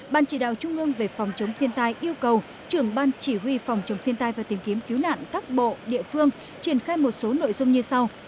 ban chỉ đạo trung ương về phòng chống thiên tai yêu cầu trưởng ban chỉ huy phòng chống thiên tai và tìm kiếm cứu nạn các bộ địa phương triển khai một số nội dung như sau